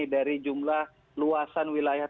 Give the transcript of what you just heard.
dari jumlah luasan wilayah